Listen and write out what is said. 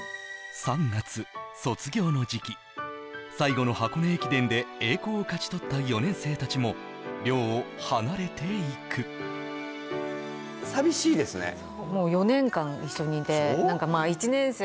３月卒業の時期最後の箱根駅伝で栄光を勝ち取った４年生たちも寮を離れていく寂しいですね